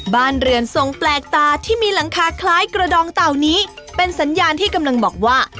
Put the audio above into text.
บ้านเรือนทรงแปลกตาที่มีหลังคาคล้ายกระดองเต่านี้เป็นสัญญาณที่กำลังบอกว่า